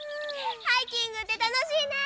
ハイキングってたのしいね！